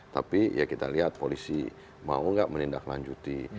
tapi ya kita lihat polisi mau nggak menindaklanjuti